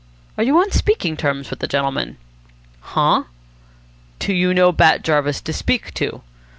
"Are you on speaking terms with the gentleman?" "Huh?" "Do you know Bat Jarvis to speak to?"